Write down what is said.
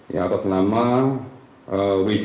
yang tersenama wj